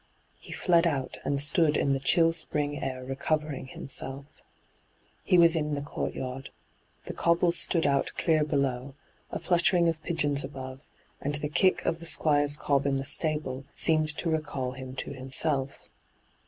He fled out and stood in the chill spring air recovering himself He "was in the courtyard. The cobbles stood out clear below ; a fluttering of pigeons above, and the kick of the Squire's cob in the stable, seemed to recall hyGoo^le ENTRAPPED 8i him to himself.